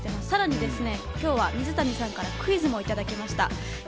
さらに今日は水谷さんからクイズもいただきました。